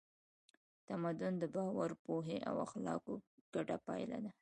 تمدن د باور، پوهې او اخلاقو ګډه پایله ده.